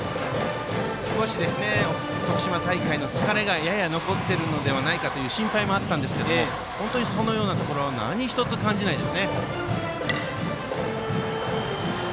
少し徳島大会の疲れがやや残っているのではという心配もあったんですがそのようなところは何一つ感じないですね。